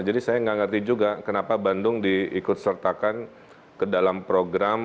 jadi saya nggak ngerti juga kenapa bandung diikut sertakan ke dalam program